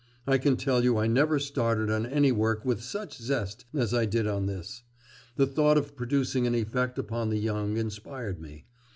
I can tell you I never started on any work with such zest as I did on this. The thought of producing an effect upon the young inspired me.